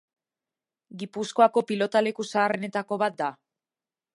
Gipuzkoako pilotaleku zaharrenetako bat da.